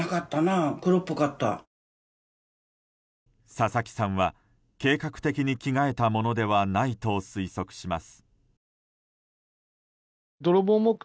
佐々木さんは計画的に着替えたものではないと推測します。